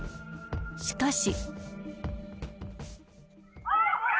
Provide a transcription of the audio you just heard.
しかし。